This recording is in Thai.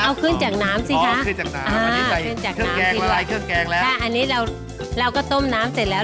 เอาขึ้นจากน้ำสิคะอ๋อขึ้นจากน้ำอันนี้ใส่เครื่องแกงละลายเครื่องแกงแล้วอันนี้เราก็ต้มน้ำเสร็จแล้ว